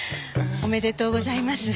おめでとうございます。